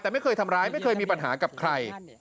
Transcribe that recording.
แต่ไม่เคยทำร้ายไม่เคยมีปัญหากับใคร